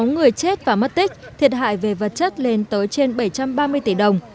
sáu người chết và mất tích thiệt hại về vật chất lên tới trên bảy trăm ba mươi tỷ đồng